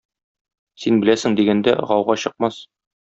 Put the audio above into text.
"син беләсең" дигәндә гауга чыкмас.